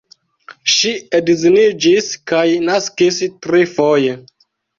Ŝi edziniĝis kaj naskis trifoje.